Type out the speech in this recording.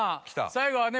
最後はね